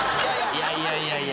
いやいやいやいや。